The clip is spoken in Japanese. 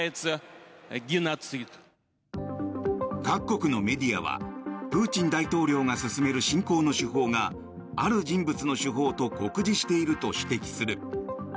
各国のメディアはプーチン大統領が進める侵攻の手法がある人物の手法と酷似していると指摘する。